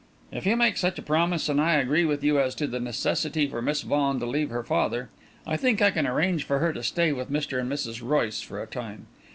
"If you make such a promise, and I agree with you as to the necessity for Miss Vaughan to leave her father, I think I can arrange for her to stay with Mr. and Mrs. Royce for a time.